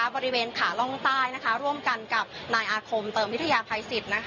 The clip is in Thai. บริเวณขาล่องใต้ร่วมกันกับนายอาคมเติมวิทยาภัยสิทธิ์